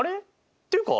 っていうか